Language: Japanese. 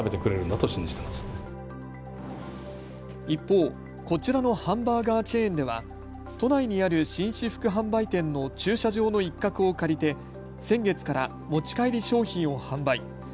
一方、こちらのハンバーガーチェーンでは都内にある紳士服販売店の駐車場の一角を借りて先月から持ち帰り商品を販売。